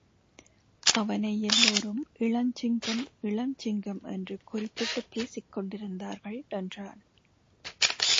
அவனை எல்லோரும் இளஞ்சிங்கம், இளஞ்சிங்கம் என்று குறிப்பிட்டுப் பேசிக் கொண்டிருந்தார்கள் என்றான்.